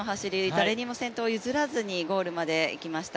誰にも先頭を譲らずにゴールまで行きました。